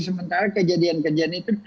sementara kejadian kejadian itu